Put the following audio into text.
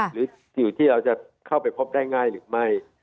หรืออยู่ที่เราจะเข้าไปพบได้ง่ายหรือไม่